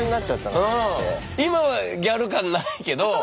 今はギャル感ないけど。